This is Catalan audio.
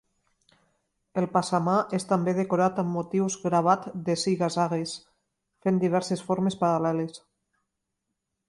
El passamà és també decorat amb motius gravat de ziga-zagues, fent diverses formes paral·leles.